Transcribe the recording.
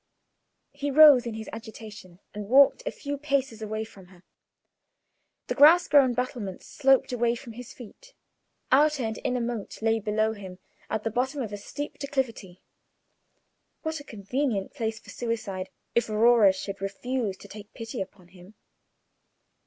He rose in his agitation, and walked a few paces away from her. The grass grown battlements sloped away from his feet; outer and inner moat lay below him, at the bottom of a steep declivity. What a convenient place for suicide, if Aurora should refuse to take pity upon him!